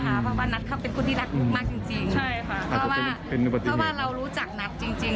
เพราะว่านัทเขาเป็นคนที่รักมุกมากจริงจริงใช่ค่ะเพราะว่าเรารู้จักนัทจริงจริง